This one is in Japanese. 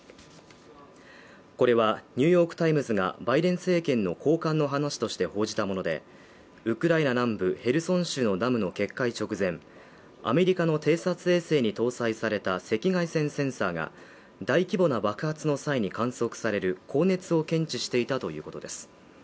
これは「ニューヨーク・タイムズ」がバイデン政権の高官の話として報じたもので、ウクライナ南部ヘルソン州のダムの決壊直前、アメリカの偵察衛星に搭載された赤外線センサーが大規模な爆発の際に観測される高熱を検知していたということです